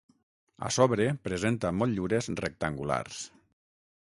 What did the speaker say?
A sobre presenta motllures rectangulars.